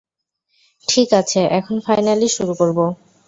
ঠিকাছে এখন ফাইনালি শুরু করবো।